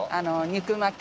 肉巻き！